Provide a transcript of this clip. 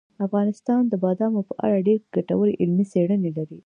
افغانستان د بادامو په اړه ډېرې ګټورې علمي څېړنې لري.